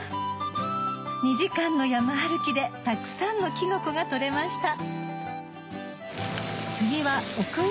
２時間の山歩きでたくさんのキノコが採れました